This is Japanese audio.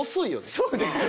そうですよ。